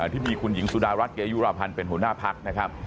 ที่มีคุณหญิงสุดารัฐเกยุราพันธ์เป็นหัวหน้าพักนะครับ